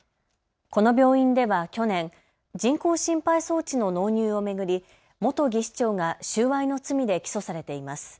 この病院では去年、人工心肺装置の納入を巡り元技士長が収賄の罪で起訴されています。